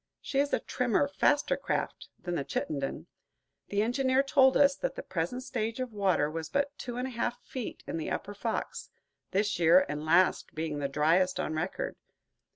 She is a trimmer, faster craft than the "Chittenden." The engineer told us that the present stage of water was but two and a half feet in the upper Fox, this year and last being the driest on record.